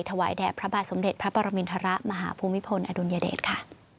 แด่พระบาทสมเด็จพระปรมินทรมาหาภูมิพลอดุลยเดชค่ะ